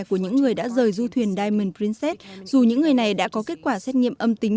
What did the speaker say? của những người đã rời du thuyền diamond princess dù những người này đã có kết quả xét nghiệm âm tính